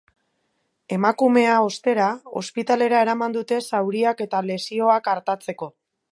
Emakumea, ostera, ospitalera eraman dute zauriak eta lesioak artatzeko.